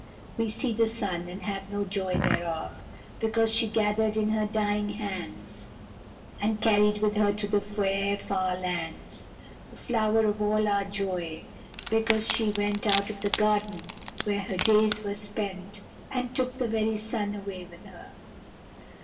We see the sun, and have no joy thereof, Because she gathered in her dying hands And carried with her to the fair far lands The flower of all our joy, because she went Out of the garden where her days were spent, And took the very sun away with her.